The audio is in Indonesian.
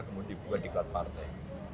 kemudian dibuat diklat partai